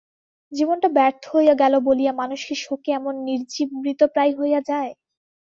জীবনটা ব্যর্থ হইয়া গেল বলিয়া মানুষ কি শোকে এমন নিজীব মৃতপ্রায় হইয়া যায়?